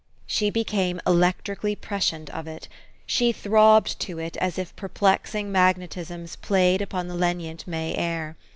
She became electrically prescient of it. She throbbed to it as if perplexing magnetisms played upon the lenient May air.